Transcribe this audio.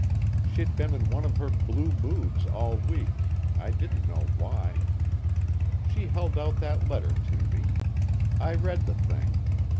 She'd been in one of her blue moods all week, I didn't know why. She held out that letter to me. I read the thing.